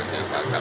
yang pak kapolri